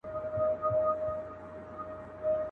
غویی په منطق نه پوهېږي `